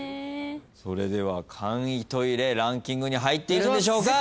それでは簡易トイレランキングに入っているんでしょうか？